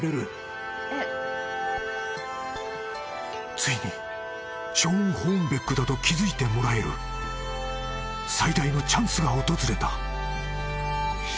［ついにショーン・ホーンベックだと気付いてもらえる最大のチャンスが訪れた］